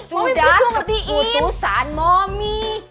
sudah keputusan mami